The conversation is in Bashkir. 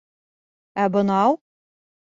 — Ә бынау?